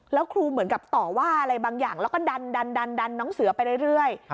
แล้วครูเหมือนกับต่อว่าอะไรบางอย่างแล้วก็ดันน้องเสือไปเรื่อย